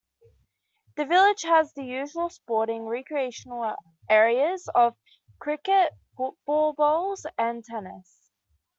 The village has the usual sporting recreational areas of cricket, football, bowls and tennis.